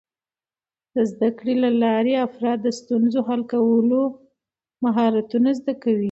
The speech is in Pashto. د زده کړې له لارې، افراد د ستونزو حل کولو مهارتونه زده کوي.